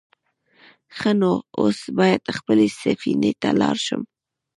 _ښه نو، اوس بايد خپلې سفينې ته لاړ شم.